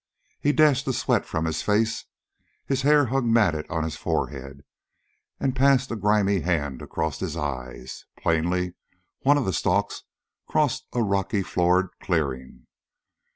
He dashed the sweat from his face his hair hung matted on his forehead and passed a grimy hand across his eyes. Plainly, one of those stalks crossed a rocky floored clearing.